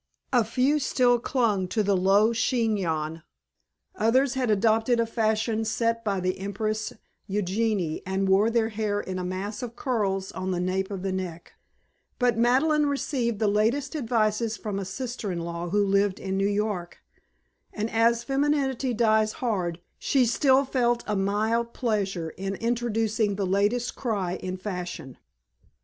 A few still clung to the low chignon, others had adopted a fashion set by the Empress Eugenie and wore their hair in a mass of curls on the nape of the neck; but Madeleine received the latest advices from a sister in law who lived in New York; and as femininity dies hard she still felt a mild pleasure in introducing the latest cry in fashion.